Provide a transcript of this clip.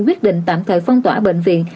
quyết định tạm thời phong tỏa bệnh viện